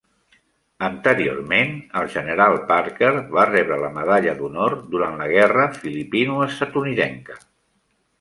Anteriorment, el general Parker va rebre la medalla d'honor durant la guerra filipino-estatunidenca.